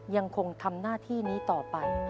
ยังคงทำหน้าที่นี้ต่อไป